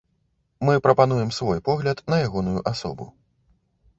Мы прапануем свой погляд на ягоную асобу.